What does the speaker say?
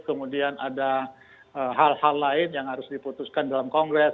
kemudian ada hal hal lain yang harus diputuskan dalam kongres